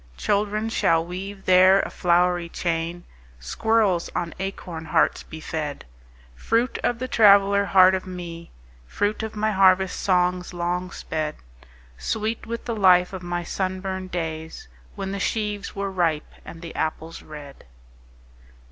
Children shall weave there a flowery chain, Squirrels on acorn hearts be fed:— Fruit of the traveller heart of me, Fruit of my harvest songs long sped: Sweet with the life of my sunburned days When the sheaves were ripe, and the apples red.